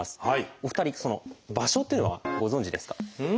お二人場所というのはご存じですか？